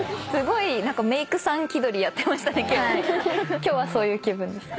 今日はそういう気分。